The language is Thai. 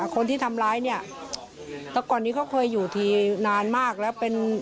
คนที่ทำร้ายเนี่ยแต่ก่อนนี้เขาเคยอยู่ทีนานมากแล้วเป็น